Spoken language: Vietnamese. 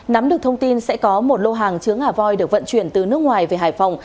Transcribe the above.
nắm được thông tin sẽ có một lô hàng chứa ngà voi được vận chuyển từ nước ngoài về hải phòng